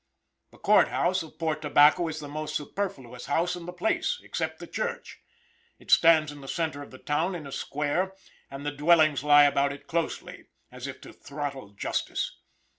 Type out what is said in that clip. The Court House of Port Tobacco is the most superflous house in the place, except the church. It stands in the center of the town in a square, and the dwellings lie about it closely, as if to throttle justice.